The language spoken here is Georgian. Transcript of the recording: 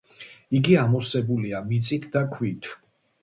იგი ამოვსებულია მიწით და ქვით.